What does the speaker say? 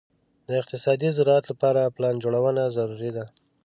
د اقتصادي زراعت لپاره پلان جوړونه ضروري ده.